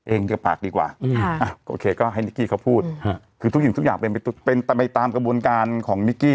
เกือบปากดีกว่าโอเคก็ให้นิกกี้เขาพูดคือทุกสิ่งทุกอย่างเป็นไปตามกระบวนการของนิกกี้